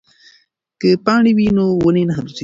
که پاڼې وي نو ونې نه لوڅیږي.